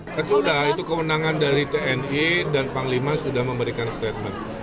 kan sudah itu kewenangan dari tni dan panglima sudah memberikan statement